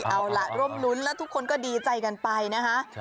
เอาล่ะร่วมรุ้นแล้วทุกคนก็ดีใจกันไปนะคะ